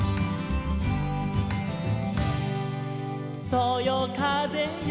「そよかぜよ